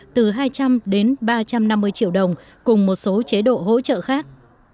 từ hai trăm linh đến ba trăm năm mươi triệu đồng cùng một số chế độ hỗ trợ khác